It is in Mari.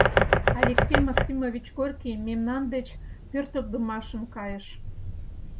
Алексей Максимович Горький мемнан деч пӧртылдымашын кайыш...